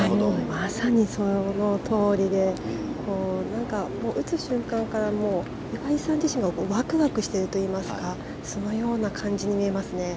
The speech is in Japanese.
まさにそのとおりで打つ瞬間から岩井さん自身がワクワクしているといいますかそのような感じに見えますね。